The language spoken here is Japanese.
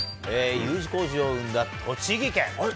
Ｕ字工事を生んだ栃木県。